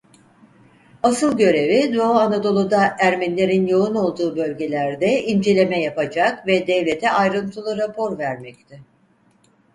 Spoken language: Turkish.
Asıl görevi Doğu Anadolu'da Ermenilerin yoğun olduğu bölgelerde inceleme yapacak ve devlete ayrıntılı rapor vermekti.